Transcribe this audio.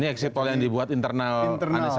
ini exit poll yang dibuat internal anis andi ya